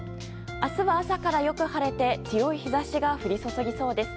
明日は朝からよく晴れて強い日差しが降り注ぎそうです。